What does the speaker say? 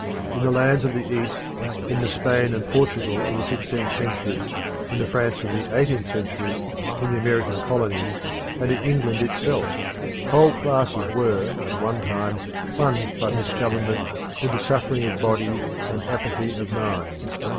In the lands of the East, in the Spain and Portugal of the sixteenth century, in the France of the eighteenth century, in the American Colonies, and in England itself, whole classes were at one time plunged by misgovernment into suffering of body and apathy of mind.